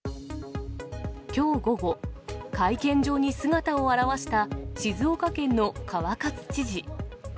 きょう午後、会見場に姿を現した静岡県の川勝知事。